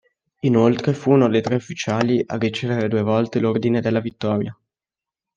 Inoltre fu uno dei tre ufficiali a ricevere due volte l'Ordine della Vittoria.